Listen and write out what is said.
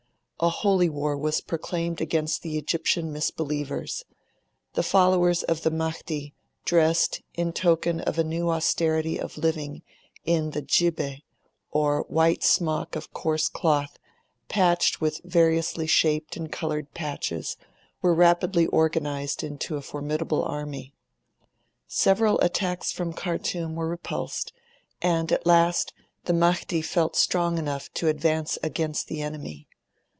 A holy war was proclaimed against the Egyptian misbelievers. The followers of the Mahdi, dressed, in token of a new austerity of living, in the 'jibbeh', or white smock of coarse cloth, patched with variously shaped and coloured patches, were rapidly organised into a formidable army. Several attacks from Khartoum were repulsed; and at last, the Mahdi felt strong enough to advance against the enemy.